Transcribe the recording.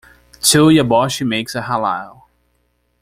Two Yambosh makes a Halal.